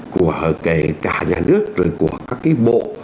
của cả nhà nước rồi của các cái bộ